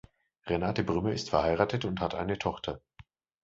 Renate Brümmer ist verheiratet und hat eine Tochter.